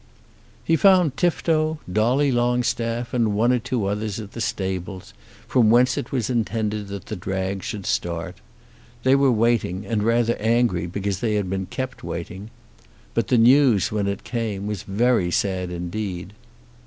He found Tifto, Dolly Longstaff, and one or two others at the stables, from whence it was intended that the drag should start. They were waiting, and rather angry because they had been kept waiting. But the news, when it came, was very sad indeed.